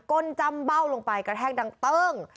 ้นจ้ำเบ้าลงไปกระแทกดังเติ้ง